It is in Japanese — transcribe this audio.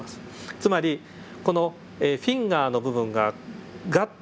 つまりこのフィンガーの部分がガッと